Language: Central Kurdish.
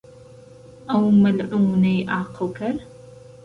ئهو مهلعوونی عاقلکەر